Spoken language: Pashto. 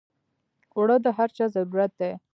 اوړه د هر چا ضرورت دی